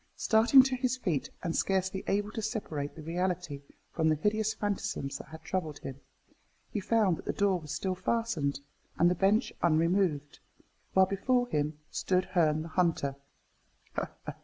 Starting to his feet, and scarcely able to separate the reality from the hideous phantasms that had troubled him, he found that the door was still fastened, and the bench unremoved, while before him stood Herne the Hunter.